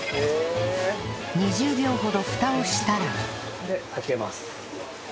２０秒ほど蓋をしたらで開けます。